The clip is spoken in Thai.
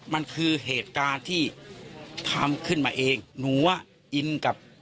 มันคือเหตุการณ์ที่ทำขึ้นมาเองหนูอ่ะอินกับ